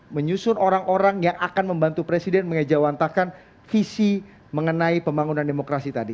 menyusun orang orang yang akan membantu presiden mengejawantakan visi mengenai pembangunan demokrasi tadi